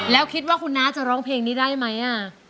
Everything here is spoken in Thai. แล้วคิดว่าคุณน้าจะร้องเพลงนี้ได้ไหม